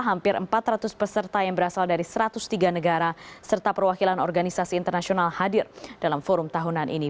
hampir empat ratus peserta yang berasal dari satu ratus tiga negara serta perwakilan organisasi internasional hadir dalam forum tahunan ini